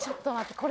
これ。